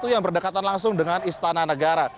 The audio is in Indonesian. yang berdekatan langsung dengan istana negara